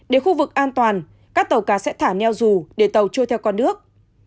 để khu vực an toàn các tàu cá sẽ thả neo rù để tàu trôi theo con nước